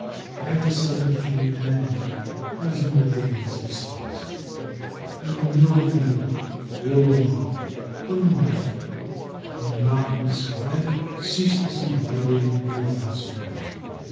And the sun came and went, as in the days of Celeste. And the mill 156 DR. SCHOLAR CRUTCH wheel whirled on, unmindful; the monotonous lament ceaselessly vibrating through Allsfarnia.